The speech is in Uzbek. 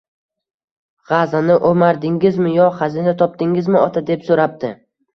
– G‘aznani o‘mardingizmi yo xazina topdingizmi, ota? – deb so‘rabdi.